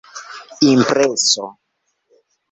impreso